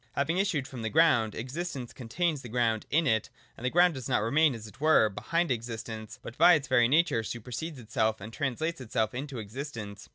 Having issued from the ground, existence contains the ground in it : the ground does not remain, as it were, behind existence, but by its very nature supersedes itself and translates itself into existence.